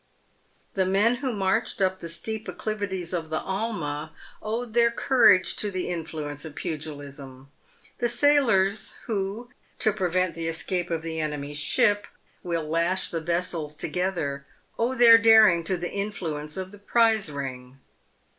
The men who marched up the steep accli vities of the Alma owed their courage to the influence of pugilism. The sailors who, to prevent the escape of the enemy's ship, will lash the vessels together, owe their daring to the influence of the prize ring.